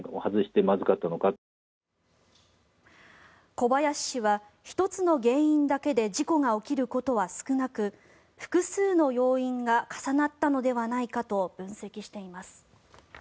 小林氏は１つの原因だけで事故が起きることは少なく複数の要因が重なったのではないかと分析しています。